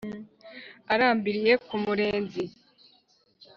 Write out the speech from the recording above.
Arambiriye ku Murenzi,